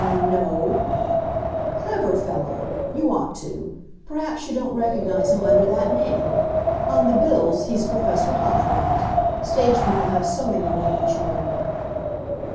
"N no." "Clever fellow. You ought to. Perhaps you don't recognize him under that name. On the bills he's Professor Haughwout. Stage people have so many names, you know."